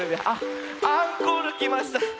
あっアンコールきました。